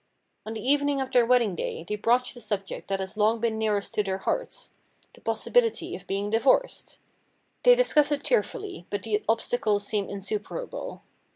On the evening of their wedding day they broach the subject that has long been nearest to their hearts—the possibility of being divorced. They discuss it tearfully, but the obstacles seem insuperable.